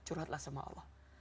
curhatlah sama allah